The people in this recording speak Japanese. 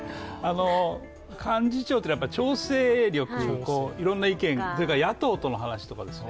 幹事長というのは、調整力いろんな意見、野党との話とかですね。